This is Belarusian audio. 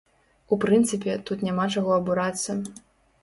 У прынцыпе, тут няма чаго абурацца.